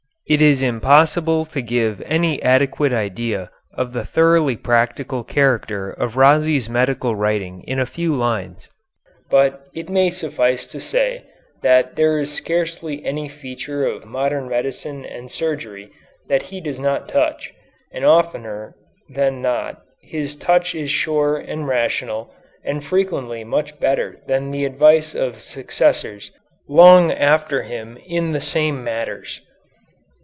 It is impossible to give any adequate idea of the thoroughly practical character of Rhazes' medical writing in a few lines, but it may suffice to say that there is scarcely any feature of modern medicine and surgery that he does not touch, and oftener than not his touch is sure and rational and frequently much better than the advice of successors long after him in the same matters.